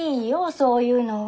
そういうのは。